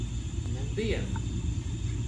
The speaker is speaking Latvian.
Nudien.